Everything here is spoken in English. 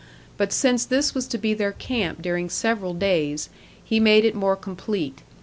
But since this was to be their camp during several days, he made it more complete.